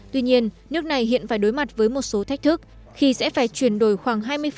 tuy nhiên nước này hiện phải đối mặt với một số thách thức khi sẽ phải chuyển đổi khoảng hai mươi